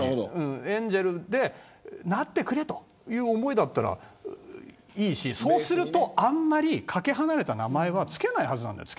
エンジェルになってくれという思いだったらいいしそうするとあまり、かけ離れた名前はつけないはずなんです。